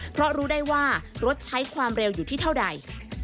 เพราะรู้ได้ว่ารถใช้ความเร็วอยู่ที่เท่าใด